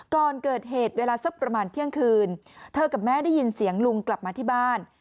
ก่อนเกิดเหตุเวลาสักประมาณเที่ยงคืนเธอกับแม่ได้ยินเสียงลุงกลับมาที่บ้าน